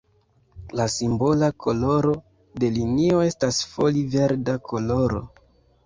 La simbola koloro de linio estas foli-verda koloro.